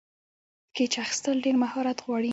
کېچ اخیستل ډېر مهارت غواړي.